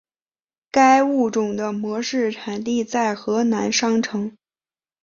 该物种的模式产地在河南商城。